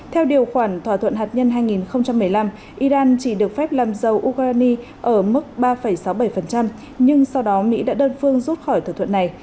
theo điều khoản thỏa thuận hạt nhân hai nghìn một mươi năm iran chỉ được phép làm dầu urani ở mức ba sáu mươi bảy nhưng sau đó mỹ đã đơn phương rút khỏi thỏa thuận này